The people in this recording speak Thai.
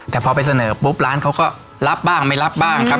แต่พอไปเสนอปุ๊บร้านเขาก็รับบ้างไม่รับบ้างครับ